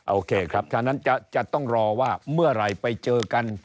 โอเคครับฉะนั้นจะต้องรอว่าเมื่อไหร่ไปเจอกัน